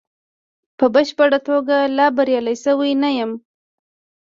په بشپړه توګه لا بریالی شوی نه یم.